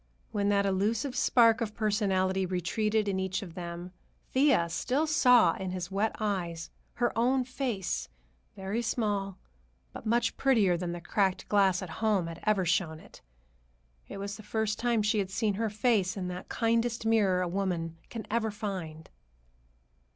When that elusive spark of personality retreated in each of them, Thea still saw in his wet eyes her own face, very small, but much prettier than the cracked glass at home had ever shown it. It was the first time she had seen her face in that kindest mirror a woman can ever find.